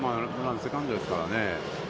セカンドですからね。